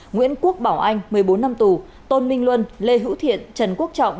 nguyễn quốc bảo anh một mươi bốn năm tù tôn minh luân lê hữu thiện trần quốc trọng